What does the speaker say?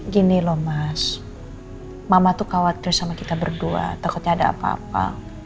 gini loh mas mama tuh khawatir sama kita berdua takutnya ada apa apa